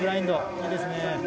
いいですね。